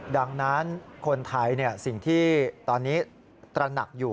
ดังนั้นคนไทยสิ่งที่ตอนนี้ตระหนักอยู่